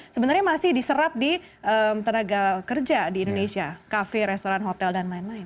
sebenarnya masih diserap di tenaga kerja di indonesia kafe restoran hotel dan lain lain